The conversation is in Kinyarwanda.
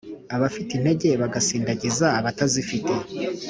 abafite intege bagasindagiza abatazifite